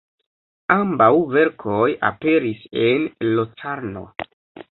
Ambaŭ verkoj aperis en Locarno.